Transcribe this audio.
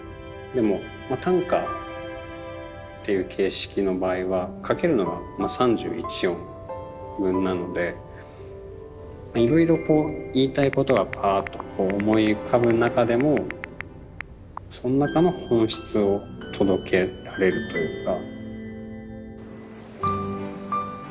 でも短歌っていう形式の場合はいろいろこう言いたいことはパーッと思い浮かぶ中でもその中の本質を届けられるというか。